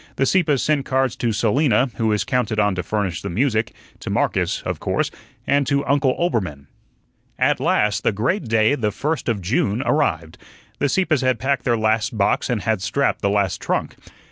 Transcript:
The Sieppes sent cards to Selina, who was counted on to furnish the music; to Marcus, of course; and to Uncle Oelbermann. At last the great day, the first of June, arrived. The Sieppes had packed their last box and had strapped the last trunk.